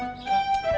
tunggu bentar ya kakak